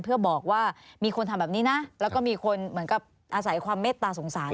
เพื่อบอกว่ามีคนทำแบบนี้นะแล้วก็มีคนเหมือนกับอาศัยความเมตตาสงสาร